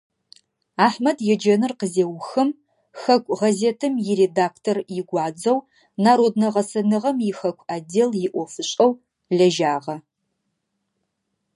Ахьмэд еджэныр къызеухым, хэку гъэзетым иредактор игуадзэу, народнэ гъэсэныгъэм ихэку отдел иӀофышӀэу лэжьагъэ.